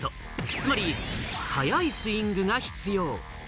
つまり速いスイングが必要。